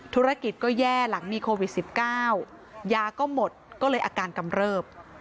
ธุรกิจก็แย่หลังมีโควิด๑๙ยาก็หมดก็เลยอาการกำเริบ